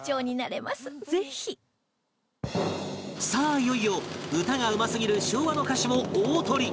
いよいよ歌がうますぎる昭和の歌手も大トリ